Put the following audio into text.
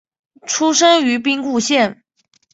出身于兵库县。